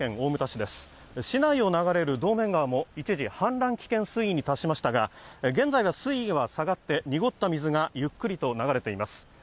市内を流れる堂面川も一時、氾濫危険水位に達しましたが、現在は水位は下がって濁った水がゆっくりと流れています。